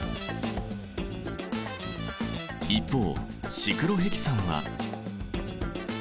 一方シクロヘキサンは。